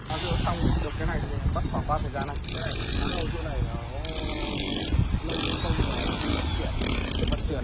ở vịnh đã có một số thủ tướng cần thiết bị dự kiến